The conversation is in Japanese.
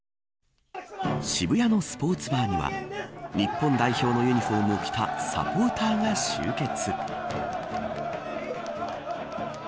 渋谷のスポーツバーには日本代表のユニホームを着たサポーターが集結。